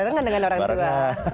barengan dengan orang tua